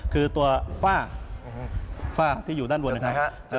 คือตัวฝ้าฝ้าที่อยู่ด้านบนนะครับ